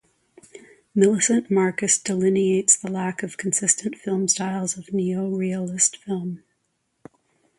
Millicent Marcus delineates the lack of consistent film styles of neorealist film.